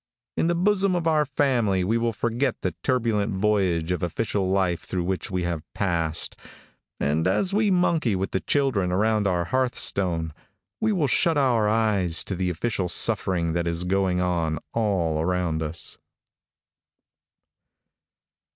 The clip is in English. In the bosom of our family we will forget the turbulent voyage of official life through which we have passed, and as we monkey with the children around our hearthstone, we will shut our eyes to the official suffering that is going on on all around us.